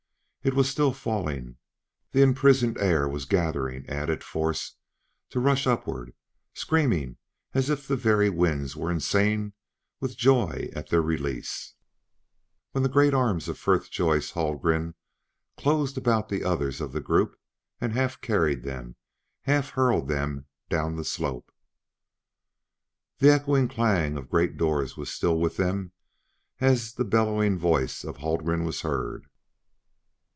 It was still falling; the imprisoned air was gathering added force to rush upward, screaming as if the very winds were insane with joy at their release, when the great arms of Frithjof Haldgren closed about the others of the group and half carried them, half hurled them, down the slope. The echoing clang of great doors was still with them as the bellowing voice of Haldgren was heard.